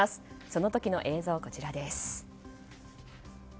その時の映像がこちらです。